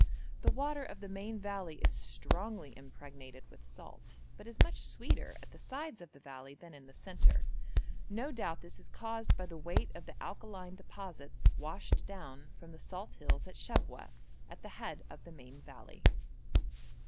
The water of the main valley is strongly impregnated with salt, but is much sweeter at the sides of the valley than in the centre. No doubt this is caused by the weight of the alkaline deposits washed down from the salt hills at Shabwa, at the head of the main valley.